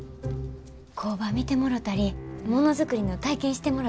工場見てもろたりものづくりの体験してもろたり。